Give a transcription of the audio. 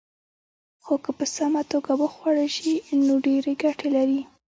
خو که په سمه توګه وخوړل شي، نو ډېرې ګټې لري.